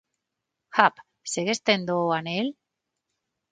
Hap, segues tendo o anel?